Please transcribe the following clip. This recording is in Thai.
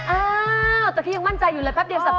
อ้าวแต่พี่ยังมั่นใจอยู่เลยแป๊บเดียวสับ